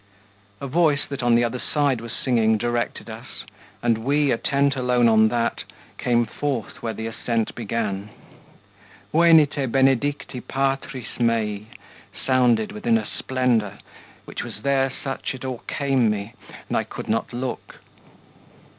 A voice, that on the other side was singing, Directed us, and we, attent alone On that, came forth where the ascent began. "Venite, benedicti Patris mei," Sounded within a splendour, which was there Such it o'ercame me, and I could not look.